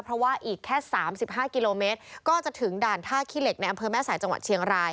เพราะว่าอีกแค่๓๕กิโลเมตรก็จะถึงด่านท่าขี้เหล็กในอำเภอแม่สายจังหวัดเชียงราย